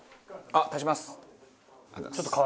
あっ足します。